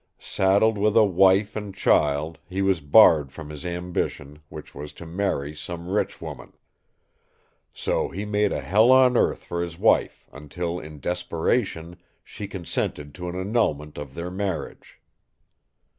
Saddled with a wife and child, he was barred from his ambition, which was to marry some rich woman. So he made a hell on earth for his wife until, in desperation, she consented to an annulment of their marriage."